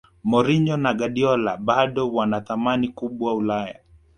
mourinho na guardiola bado wana thamani kubwa ulaya